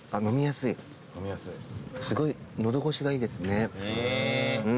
すごい喉越しがいいですね。